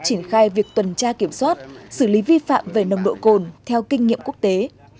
triển khai việc tuần tra kiểm soát xử lý vi phạm về nồng độ cồn theo kinh nghiệm quốc tế